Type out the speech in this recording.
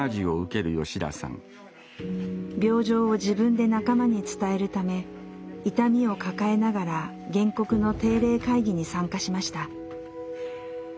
病状を自分で仲間に伝えるため痛みを抱えながら原告の定例会議に参加しました。